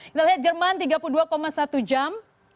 kita lihat jerman tiga puluh dua satu jam